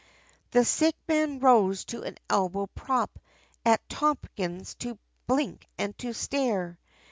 The sick man rose to an elbow prop, at Tommins, to blink and stare!